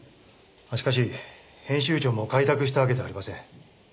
しかし編集長も快諾したわけではありません。